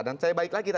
dan saya baiklahnya